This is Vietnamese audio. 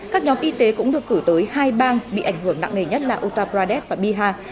các nhóm y tế cũng được cử tới hai bang bị ảnh hưởng nặng nề nhất là utta pradesh và bihar